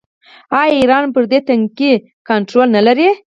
آیا ایران پر دې تنګي کنټرول نلري؟